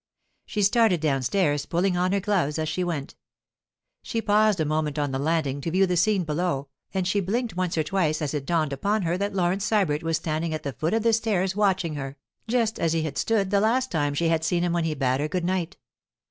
She started downstairs, pulling on her gloves as she went. She paused a moment on the landing to view the scene below, and she blinked once or twice as it dawned upon her that Laurence Sybert was standing at the foot of the stairs watching her, just as he had stood the last time she had seen him when he bade her good night.